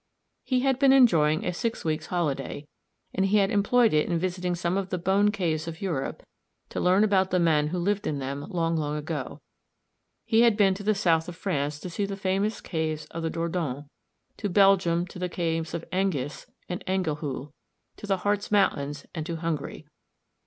He had been enjoying a six weeks' holiday, and he had employed it in visiting some of the bone caves of Europe to learn about the men who lived in them long, long ago. He had been to the south of France to see the famous caves of the Dordogne, to Belgium to the caves of Engis and Engihoul, to the Hartz Mountains and to Hungary.